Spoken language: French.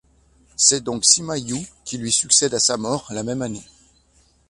C'est donc Sima Yue qui lui succède à sa mort, la même année.